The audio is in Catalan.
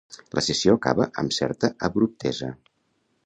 La sessió acaba amb certa abruptesa.